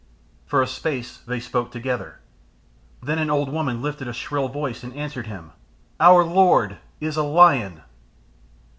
For a space they spoke together. Then an old woman lifted a shrill voice and answered him. "Our Lord is a Lion."